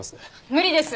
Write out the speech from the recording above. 無理です。